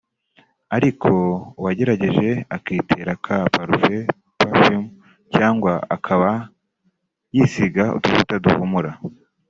ariko uwagerageje akitera ka parufe(parfum) cyangwa akaba yisiga utuvuta duhumura